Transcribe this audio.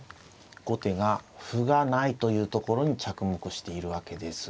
後手が歩がないというところに着目しているわけです。